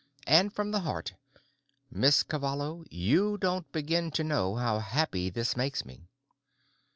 And, from the heart, "Miss Cavallo, you don't begin to know how happy this makes me."